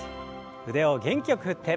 腕を元気よく振って。